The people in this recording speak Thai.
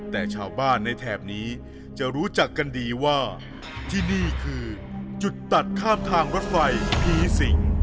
แต่ชาวบ้านในแถบนี้จะรู้จักกันดีว่าที่นี่คือจุดตัดข้ามทางรถไฟผีสิง